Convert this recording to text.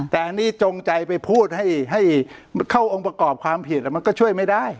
แต่อันนี้จงใจไปพูดให้เข้าองค์ประกอบความผิดมันก็ช่วยไม่ได้